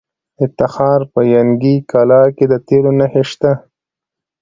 د تخار په ینګي قلعه کې د تیلو نښې شته.